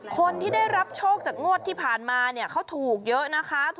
คนที่ได้รับโชคจากงวดที่ผ่านมาเนี่ยเขาถูกเยอะนะคะ